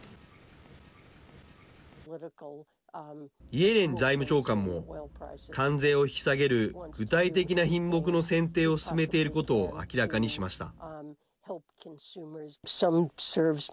イエレン財務長官も関税を引き下げる具体的な品目の選定を進めていることを明らかにしました。